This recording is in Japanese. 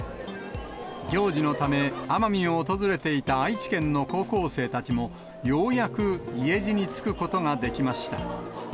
行事のため、奄美を訪れていた愛知県の高校生たちも、ようやく家路に就くことができました。